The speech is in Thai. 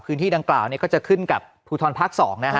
พื้นที่ดังกล่าวก็จะขึ้นกับภูทรภาค๒นะฮะ